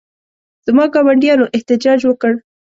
زما ګاونډیانو احتجاج وکړ.